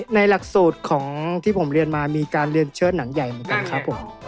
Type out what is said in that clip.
หลักสูตรของที่ผมเรียนมามีการเรียนเชิดหนังใหญ่เหมือนกันครับผม